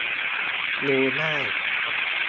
ดูง่าย